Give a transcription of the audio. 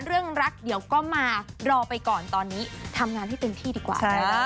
เรื่องรักเดี๋ยวก็มารอไปก่อนตอนนี้ทำงานให้เต็มที่ดีกว่า